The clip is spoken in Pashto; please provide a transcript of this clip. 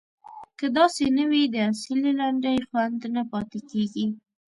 که داسې نه وي د اصیلې لنډۍ خوند نه پاتې کیږي.